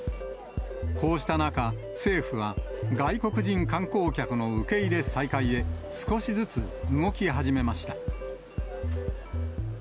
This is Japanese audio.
こうした中、政府は、外国人観光客の受け入れ再開へ、少しずつ動き始めました。